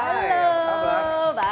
akhirnya sampai juga